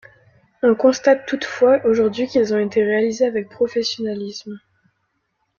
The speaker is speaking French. On constate toutefois aujourd’hui qu’ils ont été réalisés avec professionnalisme.